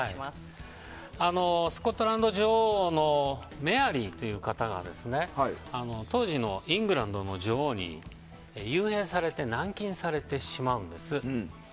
スコットランド女王のメアリーという方が当時のイングランドの女王に幽閉されて軟禁されてしまうんです。